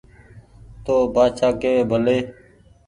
تو ن بآڇآ ڪيوي ڀلي